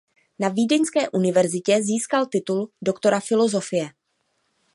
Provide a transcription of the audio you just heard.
Na Vídeňské univerzitě získal titul doktora filozofie.